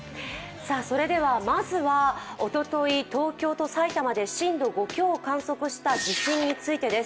それではまずは、おととい、東京と埼玉で震度５強を観測した地震についてです。